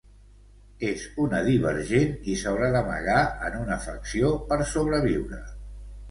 És una divergent i s'haurà d'amagar en una facció per sobreviure.